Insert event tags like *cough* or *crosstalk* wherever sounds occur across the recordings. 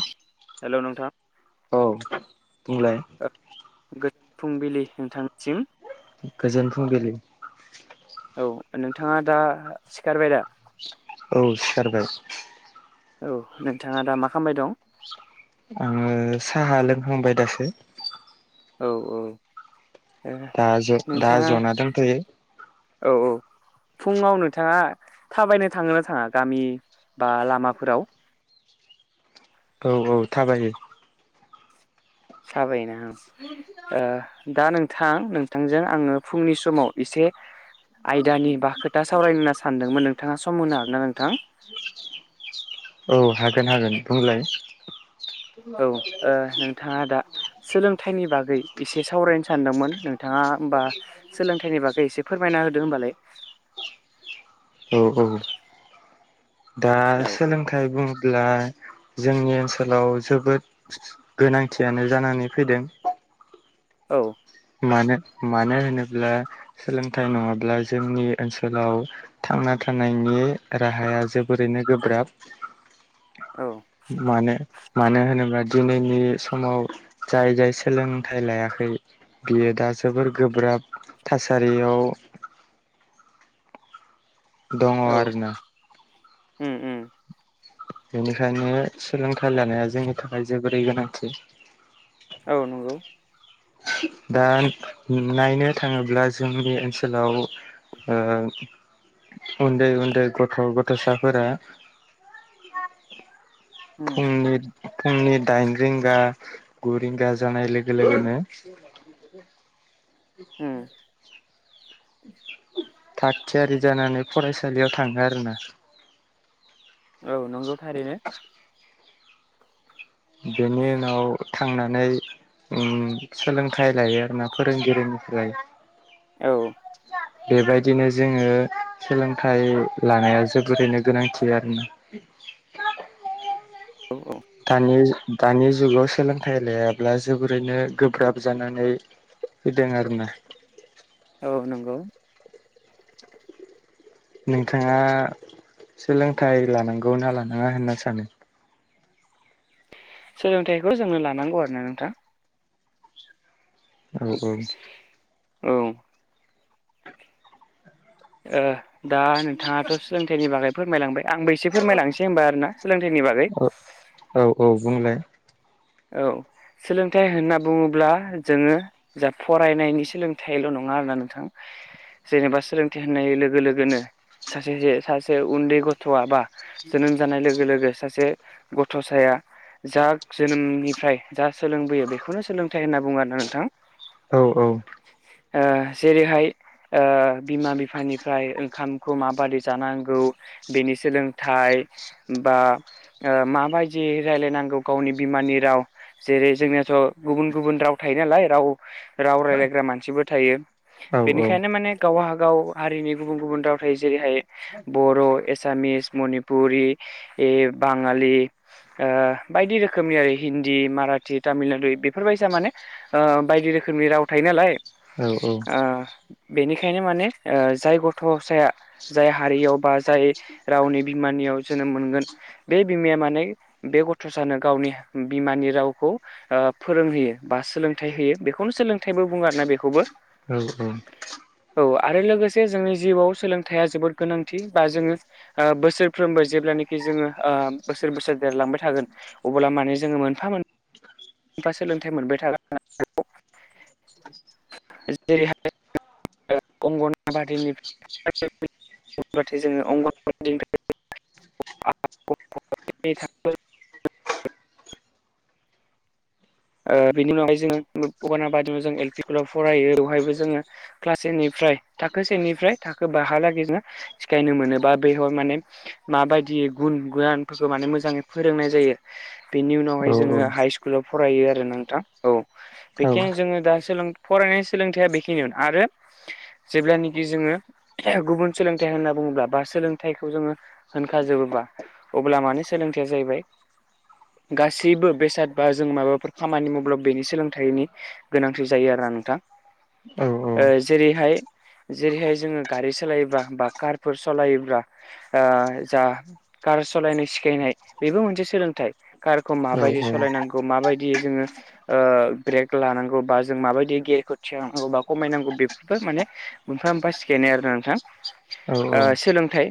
ब हेल' नोंथां। बुंलाय गोजोन फुंबिलि नोंथांनिसिम। गोजोन फुंबिलि। औ नोंथाङा दा सिखारबाय दा। औ सिखारबाय। औ नोंथाङा दा मा खालामबाय दं। आङो साहा लोंखांबाय दासो। औ औ ओ दा ज दा नोंथाङा जना दंथ'यो। औ औ फुङाव नोंथाङा थाबायनो थाङो ना थाङा गामि बा लामाफोराव। औ औ थाबायो। थाबायोना औ। दा नोंथां नोंथांजों आङो फुंनि समाव एसे। आयदानि बा खोथा सावरायनो होनना सानदोंमोन नोंथाङा सम होनो हागोन ना नोंथां। ज औ हागोन हागोन बुंलाय। औ ओ नोंथाङा दा। सोलोंथाइनि बागै एसे सावरायनो सानदोंमोन नोंथाङा होमबा। सोलोंथाइनि बागै एसे फोरमायना होदों होनबालाय। औ औ दा औ सोलोंथाइ बुङोब्ला। जोंनि ओनसोलाव जोबोद गोनांथियानो जानानै फैदों। औ। मानो मानो होनोब्ला। सोलोंथाइ नङाब्ला जोंनि ओनसोलाव थांना थानायनि। राहाया जोबोरैनो गोब्राब औ मानो। मानो होनोब्ला दिनैनि समाव जाय जाय सोलोंथाइ लायाखै। बियो दा जोबोर गोब्राब थासारियाव। दङ औ आरोना। उम उम। बेनिखायनो सोलोंथाइ लानाया जोंनि थाखाय जोबोरै गोनांथि। औ नों। दा नायनो थाङोब्ला जोंनि ओनसोलाव। उन्दै उन्दै गथ' गथ'साफोरा। उम फुंनि फुंनि दाइन रिंगा ग रिंगा जानाय लोगो लोगोनो। उम थाग थियारि जानानै फरायसालियाव थाङो आरो ना। औ नंगौ थारैनो। बेनि उनाव थांनानै। सोलोंथाइ लायो आरो ना फोरोंगिरिनिफ्राय। औ। बेबायदिनो जोङो सोलोंथाइ लानाया जोबोरैनो गोनांथि आरोना औ औ दानि दानि जुगाव सोलोंथाइ लायाब्ला जोबोरैनो गोब्राब जानानै फैदों आरोना औ नंगौ नोंथाङा सोलोंथाइ लानांगौ ना लानाङा होनना सानो सोलोंथाइखौ जोंनो लानांगौ आरो ना नोंथां औ औ औ ओ दा नोंथाङाथ' सोलोंथाइनि बागै फोरमायलांबाय आंबो एसे फोरमायलांनोसै होनबा आरोना सोलोंथाइनि बागै औ औ औ बुंलाय औ सोलोंथाइ होनना बुङोब्ला जोङो जा फरायनायनि सोलोंथाइल' नङा आरो ना नोंथां जेनेबा सोलोंथ होननाय लोगो लोगोनो सासे सासे उन्दै गथ'आ बा जोनोम जानाय लोगो लोगो सासे गथ'साया जा जोनोमनिफ्राय जा सोलोंबोयो बेखौनो सोलोंथाइ होनना बुङो आरो ना नोंथां औ औ जेरै हाय बिमा बिफानिफ्राय ओंखामखौ माबादि जानांगौ बेनि सोलोंथाइ बा माबायदि रायलायनांगौ गावनि बिमानि राव जेरै जोंनियाथ' गुबुन गुबुन राव थायो नालाय राव राव राय्लायग्रा मानसिबो थायो औ बेनिखायनो माने गावागाव हारिनि गुबुन गुबुन राव थायो जेरैहाय बर' एसामिस मनिपुर पुरि बाङालि बायदि रोखोम रोखोमनि आरो हिन्दी माराठि तामिलनाडु बेफोरबायदि माने बायदि रोखोमनि राव थायो नालाय औ औ बेनिखायनो माने जाय गथ' साया जाय हारियाव बा जाय रावनि बिमानियाव जोनोम मोनगोन बे बिमाया माने बे गथ' सानो गावनि बिमानि रावखौ फोरोंहोयो बा सोलोंथाइ होयो बेखौनो सोलोंथाइबो बुङा ना बेखौबो औ औ औ आरो लोगोसे जोंनि जिउआव सोलोंथाइया जोबोद गोनांथि बा जोङो बोसोरफ्रोमबो जेब्लानाखि जोङो बोसोर बोसोर देरलांबाय थागोन अब्ला माने जोङ मोनफा मोन मोनफा सोलोंथाइ मोनबाय थागोन *inaudible* जेरैहाय अंगनाबादिनिफ्राय *inaudible* अब्लाथाय जोङो अंगन *inaudible* बिनि उनावहाय जोङो उ अगानाबादि जों एल पि स्कुलाव फरायो बेवहायबो जोङो *inaudible* क्लास सेनिफ्राय थाखो सेनिफ्राय थाखो बाहालागै सिखायनो मोनोबा बेहाय माने माबायदि गुन गयानफोरखौ माने मोजाङै फोरोंनाय जायो बेनि उनावहाय जोङो हाइ स्कुलाव फरायो आरो नोंथां औ बेखिनो जोङो दा फरायनायनि सोलोंथाइया बेखिनियानो आरो जेब्लानाखि जोङो गुबुन सोलोंथाइ होनना बुङोब्ला बा सोलोंथाइखौ जोङो होनखाजोबोबा अब्ला मानो सोलोंथायया जाहैबाय गासैबो बेसाद बा जों माबाफोरखौ खामानि मावब्ला बेनि सोलोंथाइनि गोनांथि जायो आरोना नोंथां औ जेरैहाय जेरैहाय जोङो गारि सालायोब्ला बा कारफोर सालायोब्ला जा कार सालायनाय सिखायनाय बेबो मोनसे सोलोंथाइ कारखौ माबायदि सालायनांगौ माबायदि बि जोङो ब्रेक लानांगौ बा जों माबायदि गेरखौ थिखांनांगौ बा खमायनांगौ बेफोरबो माने मोनफा मोनफा सिखायनाय आरोना नोंथां औ सोलोंथाइ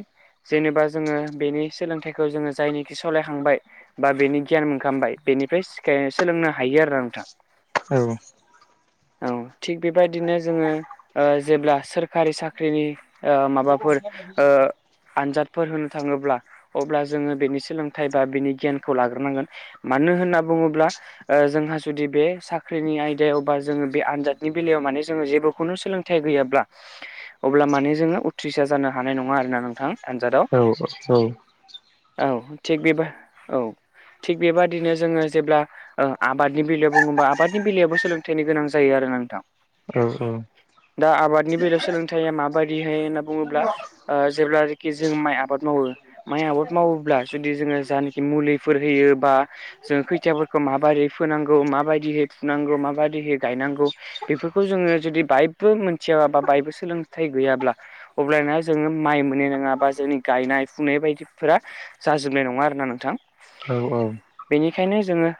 जेनेबा जोङो बेनि सोलोंथाइखौ जोङो जायनिखि सालायखांबाय बा बेनि गियान मोनखामबाय बेनिफ्राय सिखायनो सोलोंनो हायो आरो नोंथां औ औ औ थिग बेबायदिनो जोङो जेब्ला सोरखारि साख्रिनि माबाफोर ओ ज आनजादफोर होनो थाङोब्ला अब्ला जोङो बेनि सोलोंथाइ बा बिनि गियानखौ लाग्रोनांगोन मानो होनना बुङोब्ला जोंहा जुदि बे साख्रिनि आयदायाव बा जोङो बे आनजादनि बेलायाव माने जोङो जेबो खुनु सोलोंथाइ गैयाब्ला अब्ला माने जोङो उथ्रिसाार जानो हानाय नङा आरोना नोंथां आन्जादाव औ दा औ थि बेब औ थिग बेबादिनो जोङो जेब्ला ओ आबादनि बेलायाव बुङोबा आबादनि बेलायावबो सोलोंथाइनि गोनां जायो आरो ना नोंथां औ औ दा आबादनि बेलायाव सोलोंथाइया माबायदिहाय होनना बुङोब्ला जेब्लानोखि जों माइ आबाद मावो माइ आबाद मावोब्ला जुदि जोङो जानाखि मुलिफोर होयो बा जोो खैथियाफोर माबायदि फोनांगौ माबायदिहै फुनांगौ माबायदिहै गायनांगौ बेफोरखौ जोङो जुदि बायबो मोनथियाबा बायबो सोलोंथाइ गैयाब्ला अब्लाना जोङो माइ मोननाय नङा बा जोंनि गायनाय फुनाय बायदिफोरा जाजोबनाय नङा आरोोना नोंथां बेनिखायनो जोङो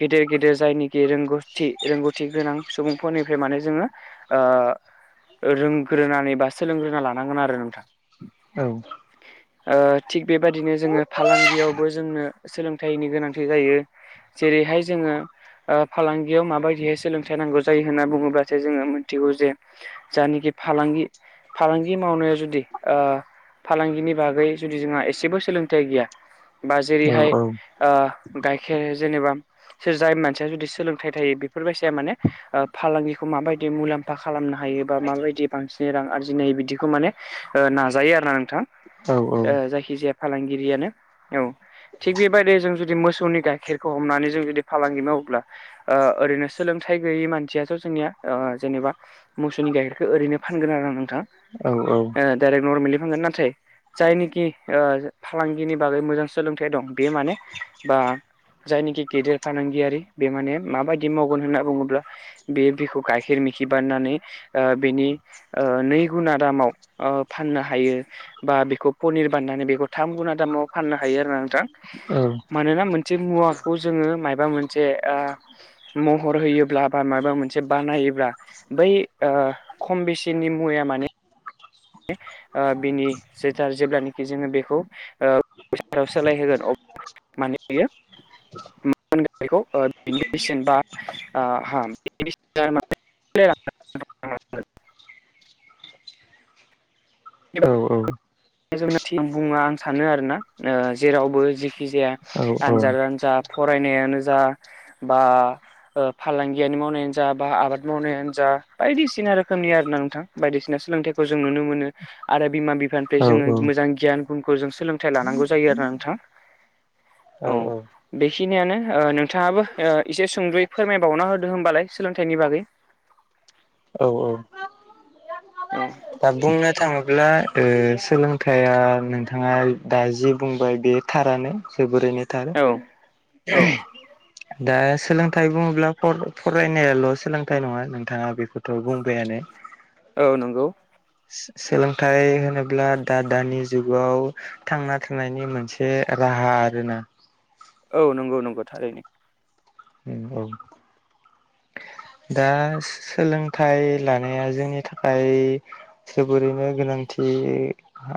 गेदेर गेदेर जायनिखि रोंगौथि रोंगौथि गोनां सुबुंफोरनिफ्राय माने जोङो रोंग्रोनानै बा सोलोंग्रोना लानांगोन आरो नोंथां थिग बेबाददिनो जोङो फालांगियावबो जोंनो सोलोंथाइनि गोनांथि जायो जेरैहाय जोङो फालांगियाव माबायदिहाय सोलोंथाइ नांगौ जायो होन्ना बुङोब्लासो जोङो मोनथिगौ जे जायानखि फालांगि फालांगि मावनाया जुदि फालांगिनि बागै जुदि जोंहा एसेबो सोलोंथाइ गैया बा जेरैहाय गाइखेर जेनेबा सोर जाय मानसिया जुदि सोलोंथाइ थायो बेफोरबायदिया माने फालांगिखौ माबायदि मुलाम्फा खालामनो हायो बा माबायदि बांसिन रां आरजिनो हायो बिदिखौ माने नाजायो आरो ना नोंथां जायखिजाया फालांगिरियानो औ थिग बेबायदि जों जुदि मोसौनि गाह गाइखेरखौ हमनानै जों जुदि फालांगि मावोब्ला ओरैनो सोलोंथाइ गैयै मानसियाथ' जोंनिया जेनेबा मोसौनि गाइखेरखौ ओरैनो फानगोन आरो आं नोंथां डाइरेक्ट नरमेलि फानगोन नाथाय जायनिखि फालांगिनि बागै मोजां सोलोंथाइ दं बेयो माने बा जायनिखि गेदेर फालांगियारि बे माने माबायदि मावगोन होनना बुङोब्ला बे बिखौ गाइखेर मिखि बारनानै बिनि नै गुना दामाव फाननो हायो बा बेखौ पनिर बाननानै बेखौ थाम गुना दामाव फाननो हायो आरोा नोंथां मानोना मुवाखौ जोङो माबा मोनसे महर होयोब्ला बा माबा मोनसे बानायोब्ला बै खम बेसेनि मुवया माने बिनि जोथार जेब्लानाखि जोङो बेखौ साव सोलायहोगोन अ मान बियो म मोनगोन बेखौ बिनिसेन बा आ जोंना बुङा आं सानो आरोना जेरावबो जेखि जाया आनजादानो जा फरायनायानो जा बा फालांगियानो मावनायानो जा बा आबाद मावनायानो जा बायदिसिना रोखोमनि आर ना नोंथां बायदिसिना सोलोंथाइखौ जों नुनो मोनो आरो बिमा बिफान बे जोङो मोजां गियान गुनखौ जों सोलोंथाइ लानांगौ जायो आरोना नोंथां। औ औ-औ बेखिनियानो ओ नोंथाङाबो एसे सुंदुयै फोरमायबावना होदो होनोमबालाय सोलोंथाइनि बागै। औ-औ औ दा बुंनो थाङोब्ला ओ सोलोंथाइया नोंथाङा दा जि बुंबाय बे थारानो जोबोरैनो थार। औ औ दा सोलोंथाइ बुङोब्ला फद फरायनायाल' सोलोंथाइ नङा नोंथाङा बेखौथ' बुंबायानो। औ नंगौ सोलोंथाइ होनोब्ला दा-दानि जुगाव थांना थानायनि मोनसे राहा आरोना। औ नंगौ-नंगौ थारैनो। उ औ दा सोलोंथाइ लानाया जोंनि थाखाय जोबोरैनो गोनांथि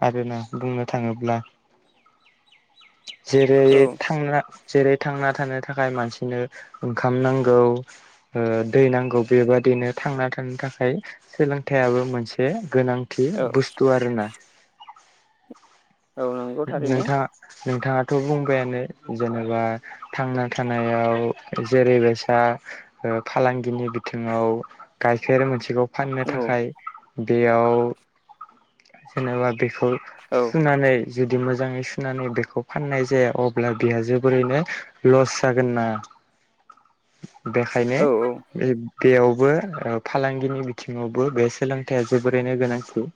आरोना बुंनो थाङोब्ला। जेरै औ थांना जेरै थांना थानो थाखाय मानसिनो ओंखाम नांगौ। ओ दै नांगौ बेबादिनो थांना थानो थाखाय सोलोंथाइाबो मोनसे गोनांथि औ बुस्थु आरोना। औ नंगौ थारैनो नोंथाङा-नोंथाङाथ' बुंबायानो जेनेबा थांना थानायाव जेरै बेसा ओ फालांगिनि बिथिङाव गायखेर मोनसेखौ फाननो औ थाखाय बेयाव जेनेबा बेखौ औ सुनानै जुदि मोजाङै सुनानै बेखौ फाननाय जाया अब्ला बेहा जोबोरैनो लस जागोन ना। *inaudible* बेखायनो औ ओ बेयावबो ओ फालांगिनि बिथिङावबो बे सोलोंथाइया जोबोरैनो गोनांथि।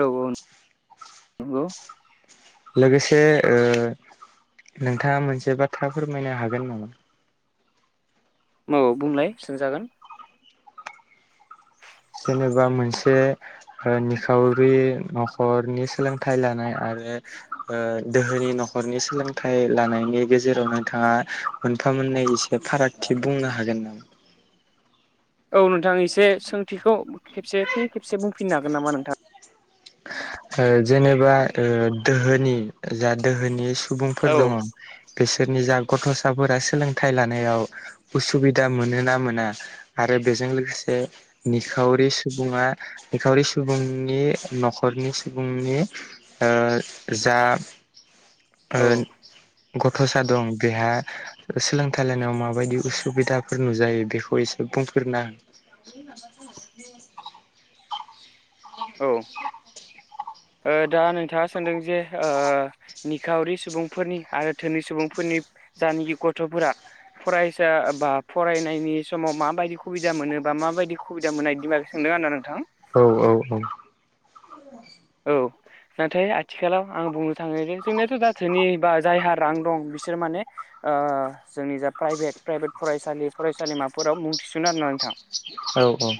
औ-औ लोगोसे ओ नोंथाङा मोनसे बाथ्रा फोरमायनो हागोन नामा? औ बुंलाय सोंजागोन जेनेबा मोनसे निखावरि न'खरनि सोलोंथायाइ लानाय आरो ओ दोहोनि न'खरनि सोलोंथाइ लानायनि गेजेराव नोंथाङा मोनफा मोननै एसे फारागथि बुंनो हागोन नामा? औ नोंथां एसे सोंथिखौ खेबसे फिन खेबसे बुंफिननो हागोन नामा नोंथां। ओ जेनेबा दोहोनि जा दोहोनि सुबुं फोर दङ औ बिसोरनि जा गथ'साफोरा सोलोंथाइ लानायाव उसुबिदा मोनो ना मोना आरो बेजों लोगोसे निखावरि सुबुङा निखावरि सुबुंनि न'खरनि सुबुंनि ओ जा ओ गथ'सा दं बेहा सोलोंथाइ लायनायाव माबायदि उसुबिदाफोर नुजायो बेखौ एसे बुंफोरना *inaudible* औ औ *inaudible* ओ दा नोंथाङा सोंदों जे ओ निखावरि सुबुंफोरनि आरो धोनि सुबुंफोरनि जानखि गथ'फोरा फरायसा बा फरायनायनि समाव माबायदि खुबिदा मोनो बा माबायदि खु खुबिदा मोननाय बिदि बागै सोंदों आना नोंथां। औ औ औ। औ नाथाय आथिखालाव आं बुंनो थाङो जे जोंनियाथ' जाथोनि बा जायहा रां दं बिसोर माने आ जोंनि जा प्राइभेट प्राइभेट फरायसालि फरायसालिमाफोराव मुं थिसनो आरो ना नोंथां। औ औ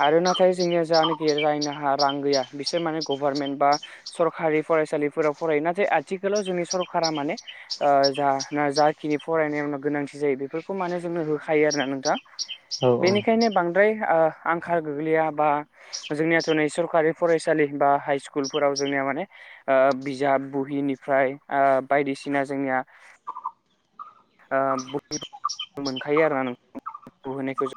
आरो नाथाय जोंनिया जानो गिया जाय नाहा रां गैया बिसोर माने गभारमेन्ट बा सरकारि फरायसालिफोराव फरायो नाथाय आथिखालाव जोंनि सरकारा माने- ओ जा जाखिनि फरायनायावनो गोनांथि जायो बेफोरखौ माने जोंनो होखायो आरो ना नोंथां! बेनिखायनो बां- ब्रै आ आंखाल गोग्लैया बा जोंनियाथ' नै सरखारि फरायसालि बा- हाइ स्कुलफोराव जोंनिया माने- बिजाब बुहिनिफ्राय आ बायदि सिना जोंनिया ओ बयबो मोनखायो आरोना नों बुनायखौ जों-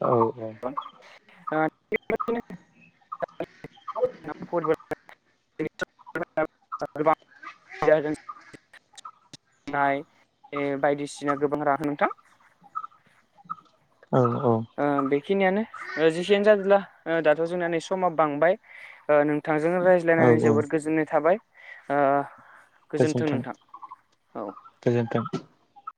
औ औ! फ *inaudible* *unintelligible* *inaudible* या जों- नाय ये बायदिसिना गोबां रां नोंथां! औ औ! ओ बेखिनियानो जेखियानो जादोला दाथ' जोंना नै समा बांबाय ओ नो- थांजों औ रायज्लायनानै औ जोबोद गोजोननाय थाबाय ओ- गोजोन्थों गोजोनथों नोंथां औ गोजोनथों!